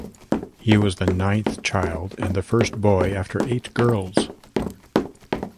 He was the ninth child and the first boy after eight girls.